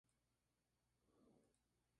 Al año siguiente ambos se casaron.